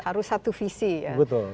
harus satu visi ya